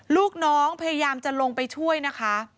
ลูกน้องพยายามจะลงไปช่วยนะคะ